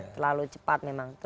terlalu cepat memang